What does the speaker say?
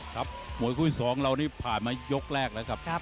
ครับหมดคุยสองเราผ่านมากบพาร์ตยกแรก